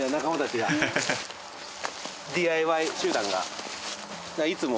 ＤＩＹ集団が。